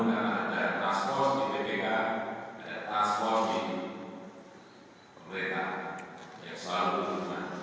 karena ada transport di bdk ada transport di pemerintah yang selalu berhubungan